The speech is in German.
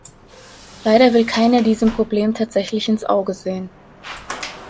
Leider will keiner diesem Problem tatsächlich ins Auge sehen.